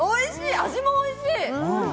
味もおいしい。